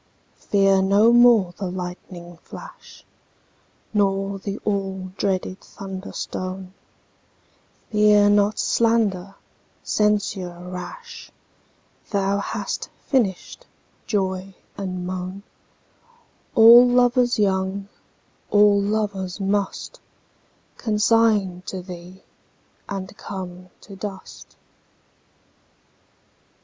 Fear no more the lightning flash, Nor the all dreaded thunder stone; Fear not slander, censure rash; Thou hast finish'd joy and moan:All lovers young, all lovers mustConsign to thee, and come to dust.